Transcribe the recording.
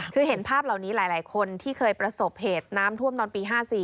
คือเห็นภาพเหล่านี้หลายคนที่เคยประสบเหตุน้ำท่วมตอนปี๕๔